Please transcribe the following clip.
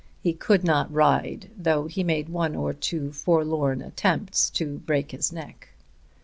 He could not ride, though he made one or two forlorn attempts to break his neck.